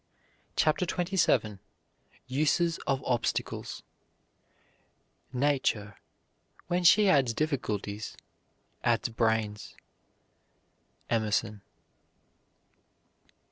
CHAPTER XXVII USES OF OBSTACLES Nature, when she adds difficulties, adds brains. EMERSON.